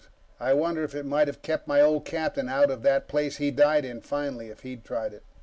I wonder if it mightn't have kept my old captain out of that place he died in, finally, if he'd tried it.